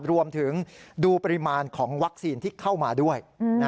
รวมถึงดูปริมาณของวัคซีนที่เข้ามาด้วย